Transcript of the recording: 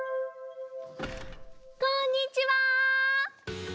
こんにちは！